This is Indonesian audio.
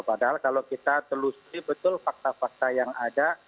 padahal kalau kita telusuri betul fakta fakta yang ada